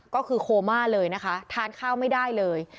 ก็คือโคม่าเลยนะคะทานข้าวไม่ได้เลย